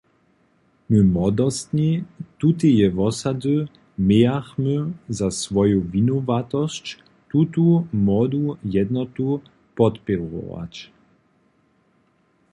My młodostni tuteje wosady mějachmy za swoju winowatosć, tutu młodu jednotu podpěrować.